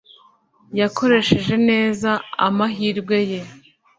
Yakoresheje neza amahirwe ye.